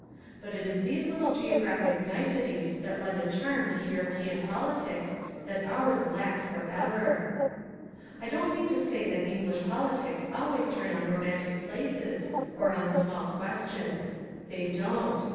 But it is these little geographic niceties that lend a charm to European politics that ours lack forever. I don't mean to say the English politics always turn on romantic places or on small questions. They don't.